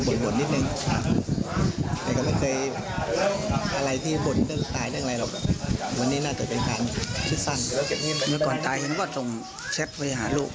เมื่อก่อนตายเห็นว่าส่งแชทไปหาลูก